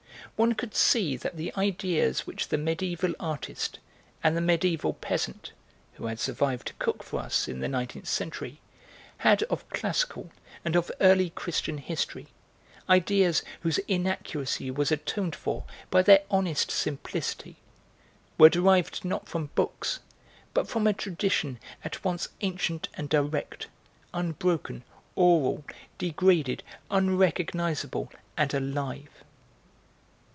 One could see that the ideas which the mediaeval artist and the mediaeval peasant (who had survived to cook for us in the nineteenth century) had of classical and of early Christian history, ideas whose inaccuracy was atoned for by their honest simplicity, were derived not from books, but from a tradition at once ancient and direct, unbroken, oral, degraded, unrecognisable, and alive.